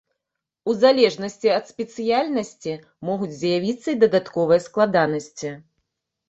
У залежнасці ад спецыяльнасці, могуць з'явіцца і дадатковыя складанасці.